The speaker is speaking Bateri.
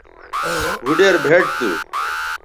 بھوڈیر بھئٹ تھو